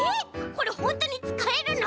これほんとにつかえるの？